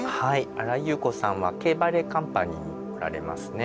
荒井祐子さんはＫバレエカンパニーにおられますね。